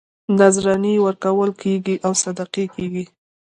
نذرانې ورکول کېږي او صدقې کېږي.